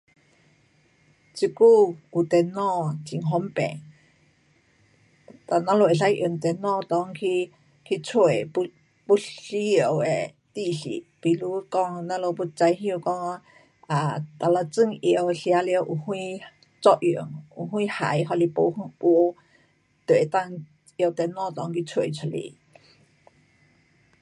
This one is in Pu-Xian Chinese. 这久有电脑很方便，哒我们可以用电脑内去，去找要，要需要的知识，比如讲我们要知道讲讲 um 哪一种药吃了有什作用，有什害还是没,没，都能够拿电脑内去找出来。